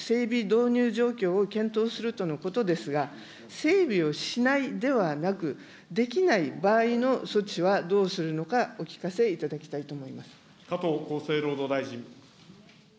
導入状況を検討するとのことですが、整備をしないではなく、できない場合の措置はどうするのか、お聞かせいただきたいと思います。